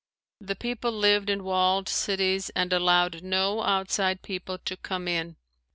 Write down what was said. The people lived in walled cities and allowed no outside people to come in.